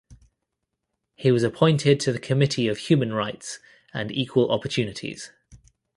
He was appointed to the committee of human rights and equal opportunities.